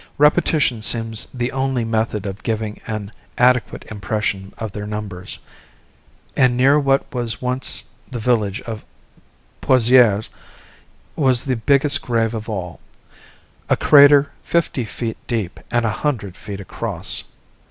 Repetition seems the only method of giving an adequate impression of their numbers; and near what was once the village of Pozieres was the biggest grave of all, a crater fifty feet deep and a hundred feet across.